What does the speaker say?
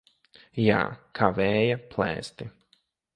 Jā, kā vēja plēsti.